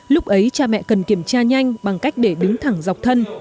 lúc ấy cha mẹ cần kiểm tra nhanh bằng cách để đứng thẳng dọc thân